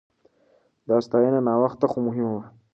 دا ستاينه ناوخته خو مهمه وه.